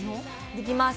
できます。